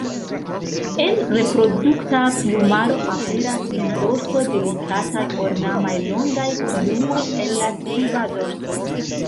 En reprodukta plumaro, aperas en dorso delikataj ornamaj longaj plumoj el la suba dorso.